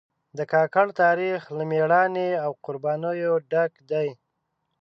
د کاکړ تاریخ له مېړانې او قربانیو ډک دی.